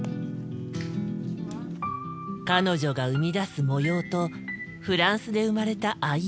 彼女が生み出す模様とフランスで生まれた藍色。